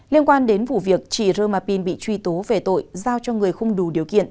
liên quan đến vụ việc chị roma pin bị truy tố về tội giao cho người không đủ điều kiện